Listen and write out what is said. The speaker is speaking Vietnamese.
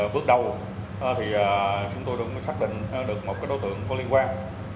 bước đầu chúng tôi cũng xác định được một đối tượng có liên quan